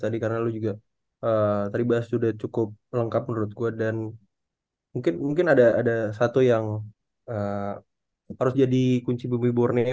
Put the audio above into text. di dalam paint area sih